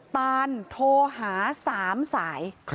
ตานโทรหา๓สาย